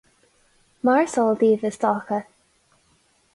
Mar is eol díbh, is dócha.